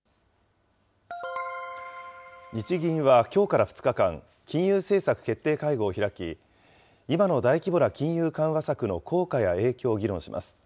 日銀はきょうから２日間、金融政策決定会合を開き、今の大規模な金融緩和策の効果や影響を議論します。